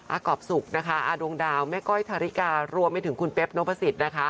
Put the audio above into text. อากอบสุกดวงดาวแม่ก้อยธริการวมไม่ถึงคุณเป๊บโนบาสิต